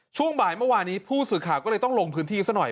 ช่วงบ่ายเมื่อวานนี้ผู้สื่อข่าวก็เลยต้องลงพื้นที่ซะหน่อย